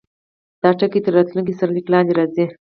دا ټکی تر راتلونکي سرلیک لاندې راځي.